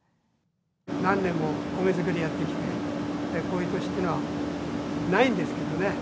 何年も米作りやってきて、こういう年というのはないんですけどね。